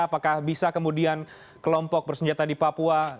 apakah bisa kemudian kelompok bersenjata di papua